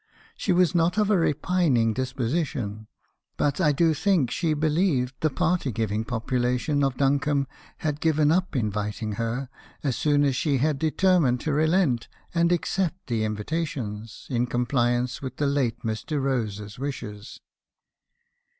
She was not of a repining disposition, but I do think she believed the party giving population of Dun combe had given up inviting her, as soon as she had determined to relent, and accept the invitations, in compliance with the late Mr. Rose's wishes.